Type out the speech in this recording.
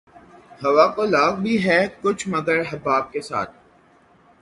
ہوا کو لاگ بھی ہے کچھ مگر حباب کے ساتھ